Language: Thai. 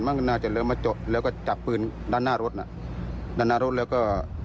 น่าจะเริ่มมาเจาะแล้วก็จับปืนด้านหน้ารถน่ะด้านหน้ารถแล้วก็